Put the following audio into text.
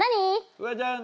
フワちゃん